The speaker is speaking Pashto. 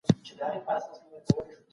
انسانان په ټولنه کي بیلابیل فکرونه لري.